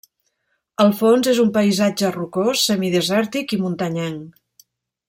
El fons és un paisatge rocós, semidesèrtic i muntanyenc.